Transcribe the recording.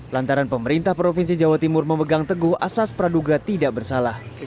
lantaran pemerintah provinsi jawa timur memegang teguh asas praduga tidak bersalah